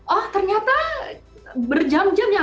oh ternyata berjam jam ya